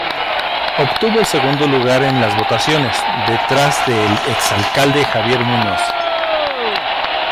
Obtuvo el segundo lugar en las votaciones, detrás del ex alcalde Xavier Muñoz.